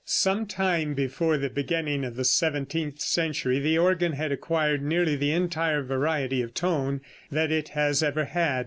] Some time before the beginning of the seventeenth century the organ had acquired nearly the entire variety of tone that it has ever had.